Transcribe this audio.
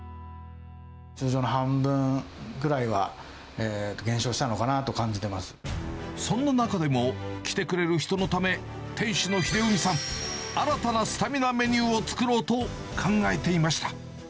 通常の半分ぐらいは減少したそんな中でも、来てくれる人のため、店主の日出海さん、新たなスタミナメニューを作ろうと考えていました。